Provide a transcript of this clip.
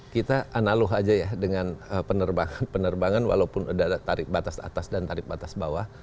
kita analog aja ya dengan penerbangan penerbangan walaupun ada tarif batas atas dan tarif batas bawah